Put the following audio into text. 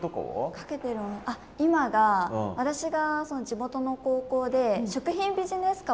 今が私が地元の高校で食品・ビジネス科？